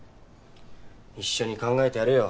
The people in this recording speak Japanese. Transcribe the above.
一緒に考えてやるよ。